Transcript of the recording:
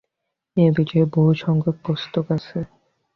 এ-বিষয়ে বহু সংখ্যক পুস্তক আছে।